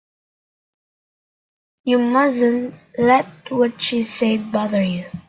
You mustn't let what she said bother you.